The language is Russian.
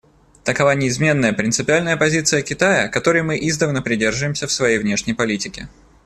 Такова неизменная, принципиальная позиция Китая, которой мы издавна придерживаемся в своей внешней политике.